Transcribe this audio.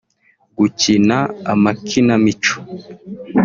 gukina amakinamico